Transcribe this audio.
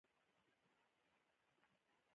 ځینې محصلین د څېړنې پر مهال ستونزې حلوي.